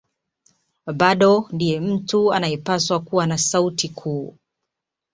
Bado ndiye mtu anayepaswa kuwa na sauti kuu